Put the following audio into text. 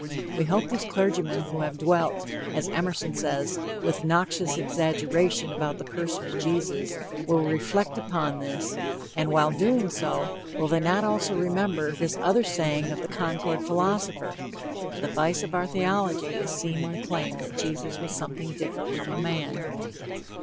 We hope these clergymen who have dwelt, as Emerson says, "with noxious exaggeration about the person of Jesus," will reflect upon this, and while doing so, will they not also remember this other saying of the Concord philosopher: "The vice of our theology is seen in the claim...that Jesus was something different from a man."